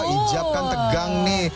ijab kan tegang nih